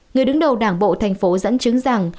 người đứng đầu đảng bộ tp hcm dẫn chứng rằng